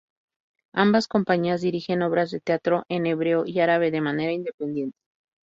Ambas compañías dirigen obras de teatro en hebreo y árabe de manera independiente.